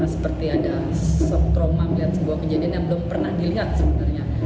seperti ada trauma melihat sebuah kejadian yang belum pernah dilihat sebenarnya